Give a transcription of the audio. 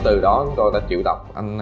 từ đó chúng tôi đã triệu tập